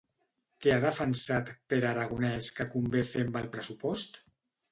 Què ha defensat Pere Aragonès que convé fer amb el pressupost?